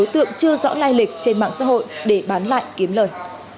tượng chưa rõ lai lịch trên mạng xã hội để bán lại kiếm lời